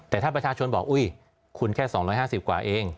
แต่ถ้าประชาชนบอกอุ๊ยคุณแค่๒๕๐กว่าเอง